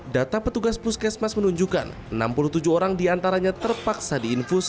data petugas puskesmas menunjukkan enam puluh tujuh orang diantaranya terpaksa diinfus